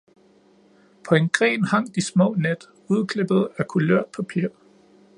På en gren hang de små net, udklippet af kulørt papir